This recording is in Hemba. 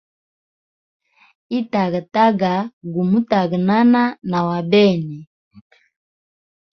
Itagataga gumutaganana na wa bene.